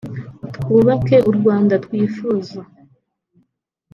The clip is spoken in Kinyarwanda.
twubake u Rwanda twifuza”